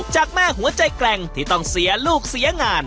จากแม่หัวใจแกร่งที่ต้องเสียลูกเสียงาน